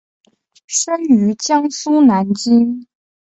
生于江苏南京。